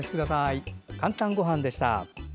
「かんたんごはん」でした。